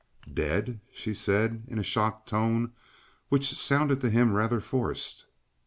"Dead?" she said, in a shocked tone which sounded to him rather forced.